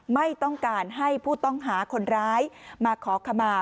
ไม่ต้องการให้ผู้ต้องหาคนร้ายมาขอขมา